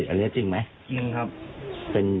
เจ้าท่านกำลังถูกโดไปก่อน